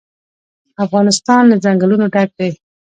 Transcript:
افغانستان له ځنګلونه ډک دی.